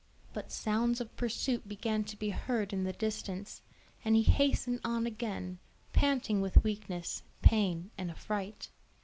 But sounds of pursuit began to be heard in the distance, and he hastened on again, panting with weakness, pain and affright.